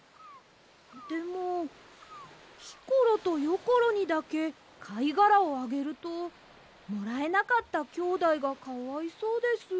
でもひころとよころにだけかいがらをあげるともらえなかったきょうだいがかわいそうです。